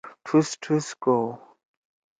ٹُھس ٹُھس کؤ